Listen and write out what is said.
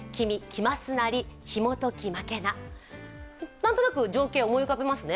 何となく情景、思い浮かびますね